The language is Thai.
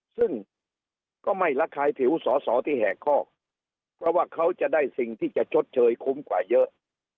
ซึ่งก็ไม่ระคายผิวสอสอที่แหกคอกเพราะว่าเขาจะได้สิ่งที่จะชดเชยคุ้มกว่าเยอะ